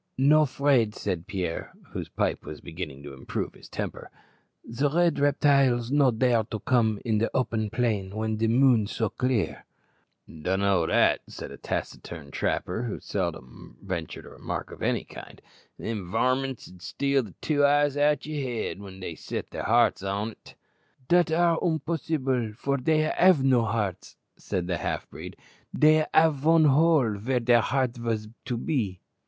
"No 'fraid," said Pierre, whose pipe was beginning to improve his temper. "The red reptiles no dare to come in open plain when de moon so clear." "Dun know that," said a taciturn trapper, who seldom ventured a remark of any kind; "them varmints 'ud steal the two eyes out o' you' head when they set their hearts on't." "Dat ar' umposs'ble, for dey have no hearts," said a half breed; "dey have von hole vere de heart vas be."